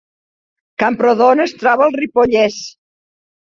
Camprodon es troba al Ripollès